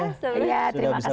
terima kasih banyak